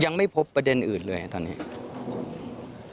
ยังไม่พบประเด็นอื่นเลยตอนนี้